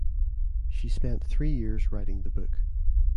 She spent three years writing the book.